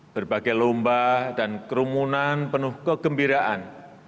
berbagai lomba dan kerumunan penuh kegembiraan